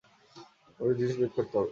আমাকে জিনিস বের করতে হবে।